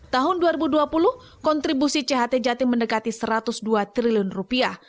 tahun dua ribu dua puluh kontribusi cht jatim mendekati satu ratus dua triliun rupiah